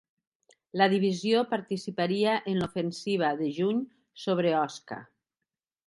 La divisió participaria en l'ofensiva de juny sobre Osca.